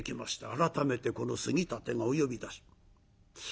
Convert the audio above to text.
改めてこの杉立がお呼び出し。